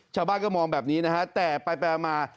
ชาวบ้านก็มองแบบนี้นะฮะแต่ไปมา